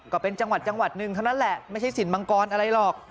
ก็เป็นจังหวัดจังหวัดหนึ่งเท่านั้นแหละไม่ใช่สินมังกรอะไรหรอก